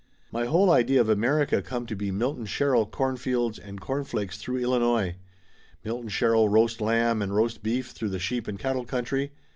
My whole idea of America come to be Milton Sherrill cornfields and corn flakes through Illinois; Milton Sherrill roast lamb and roast beef through the sheep and cattle country.